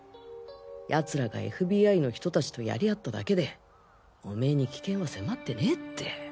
奴らがＦＢＩの人達とやり合っただけでオメーに危険は迫ってねぇって。